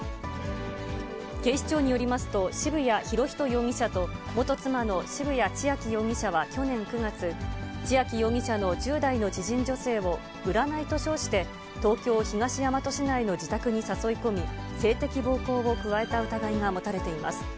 警視庁によりますと、渋谷博仁容疑者と元妻の渋谷千秋容疑者は去年９月、千秋容疑者の１０代の知人女性を、占いと称して東京・東大和市内の自宅に誘い込み、性的暴行を加えた疑いが持たれています。